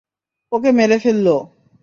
ওকে মেরে ফেললো!